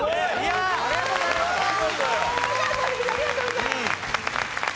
ありがとうございます。